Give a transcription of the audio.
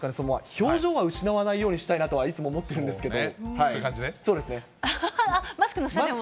表情は失わないようにしたいなとは、いつも思ってるんですけど。